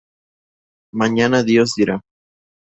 Mañana Dios dirá